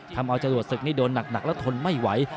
ทำเอาจรวดศึกนี่โดนหนักแล้วทนไม่ไหว